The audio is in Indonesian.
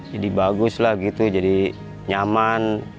jadi bagus jadi nyaman